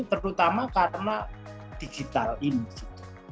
terutama karena digital ini